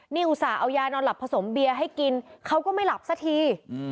นี่อุตส่าห์เอายานอนหลับผสมเบียร์ให้กินเขาก็ไม่หลับสักที